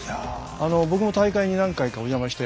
僕も大会に何回かお邪魔して。